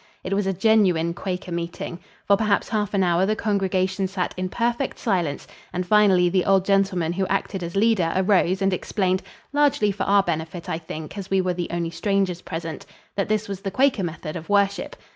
It was a genuine Quaker meeting. For perhaps half an hour the congregation sat in perfect silence, and finally the old gentleman who acted as leader arose and explained largely for our benefit, I think, as we were the only strangers present that this was the Quaker method of worship.